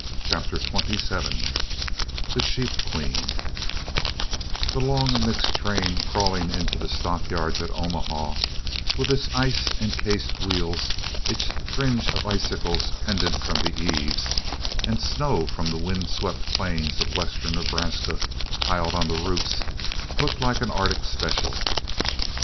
CHAPTER XXVII THE SHEEP QUEEN The long mixed train crawling into the stockyards at Omaha, with its ice encased wheels, its fringe of icicles pendant from the eaves, and snow from the wind swept plains of western Nebraska piled on the roofs, looked like an Arctic Special.